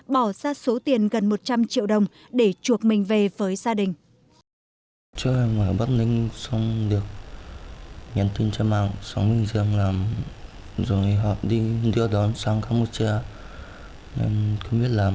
bỏ ra số tiền gần một trăm linh triệu đồng để chuộc mình về với gia đình